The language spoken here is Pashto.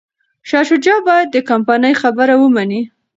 شاه شجاع باید د کمپانۍ خبره ومني.